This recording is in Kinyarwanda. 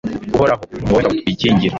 uhoraho, ni wowe ngabo twikingira